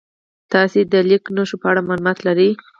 تاسې د لیک نښو په اړه معلومات لرئ؟